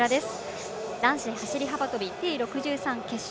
男子走り幅跳びＴ６３決勝。